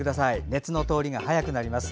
熱の通りが早くなります。